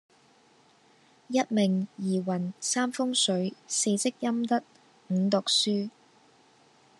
一命二運三風水四積陰德五讀書